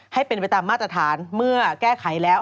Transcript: ให้เป็นไปตามมาตรฐานเมื่อแก้ไขแล้ว